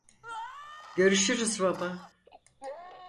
Görüşürüz baba.